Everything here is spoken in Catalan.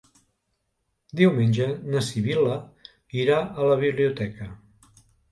Diumenge na Sibil·la irà a la biblioteca.